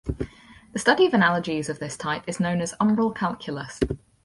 The study of analogies of this type is known as umbral calculus.